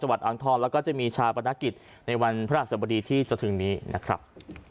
วัดอ่างทองแล้วก็จะมีชาปนกิจในวันพระราชสบดีที่จะถึงนี้นะครับ